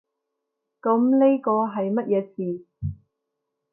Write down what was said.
噉呢個係乜嘢字？